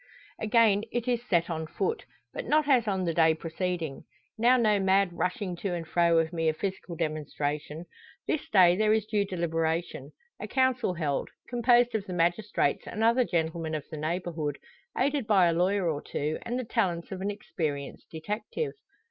Again it is set on foot, but not as on the day preceding. Now no mad rushing to and fro of mere physical demonstration. This day there is due deliberation; a council held, composed of the magistrates and other gentlemen of the neighbourhood, aided by a lawyer or two, and the talents of an experienced detective.